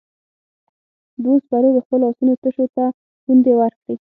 دوو سپرو د خپلو آسونو تشو ته پوندې ورکړې.